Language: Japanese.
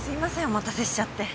お待たせしちゃって。